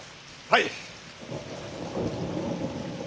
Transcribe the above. はい！